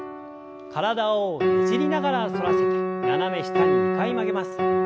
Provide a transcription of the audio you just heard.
体をねじりながら反らせて斜め下に２回曲げます。